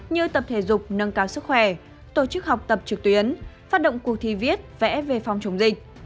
như tập thể dục nâng cao sức khỏe tổ chức học tập trực tuyến phát động cuộc thi viết vẽ về phòng chống dịch